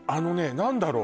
何だろう